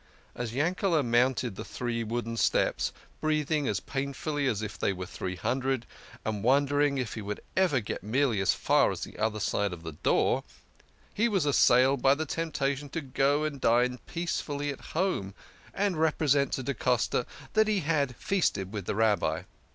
As Yanked mounted the three wooden steps, breathing as pain fully as if they were three hundred, and wondering if he would ever get merely as far as the other side of the door, he was assailed by the tempta tion to go and dine peace fully at home, and represent to da Costa that he had feasted with the Rabbi.